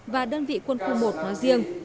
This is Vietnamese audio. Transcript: và đơn vị quân khu một nói riêng